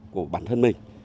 của bản thân mình